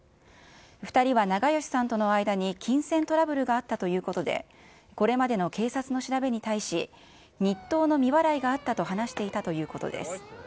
２人は長葭さんとの間に金銭トラブルがあったということで、これまでの警察の調べに対し、日当の未払いがあったと話していたということです。